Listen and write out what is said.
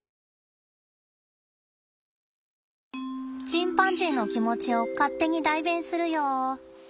チンパンジーの気持ちを勝手に代弁するよ。